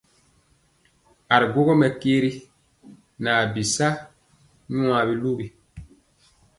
Aa ri gwogɔ mɛkyɛri na bii sa nyɛ biluwi.